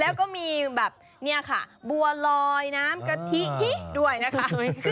แล้วก็มีแบบเนี่ยค่ะบัวลอยน้ำกะทิฮิด้วยนะคะ